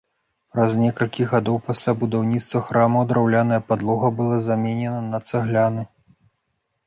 Праз некалькі гадоў пасля будаўніцтва храма драўляная падлога была заменена на цагляны.